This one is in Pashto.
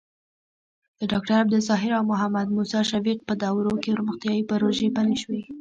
د ډاکټر عبدالظاهر او محمد موسي شفیق په دورو کې پرمختیايي پروژې پلې شوې.